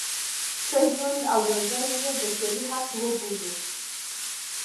ښه ژوند او روزنه یې بشري حق وبولو.